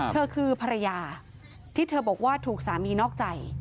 เธอคือภรรยาที่เธอบอกว่าถูกสามีนอกใจ